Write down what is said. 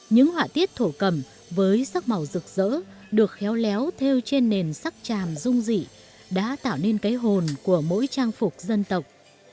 những họa tiết thổ cầm với sắc màu rực rỡ được khéo léo theo trên nền sắc tràm rung dị đã tạo nên cái hồn của mỗi trang phục dân tộc